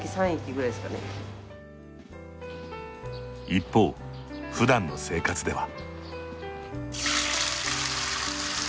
一方ふだんの生活では。